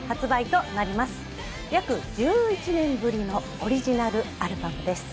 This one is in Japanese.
約１１年ぶりのオリジナルアルバムです。